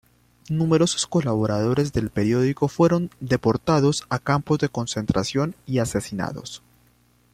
Numerosos colaboradores del periódico fueron deportados a campos de concentración y asesinados.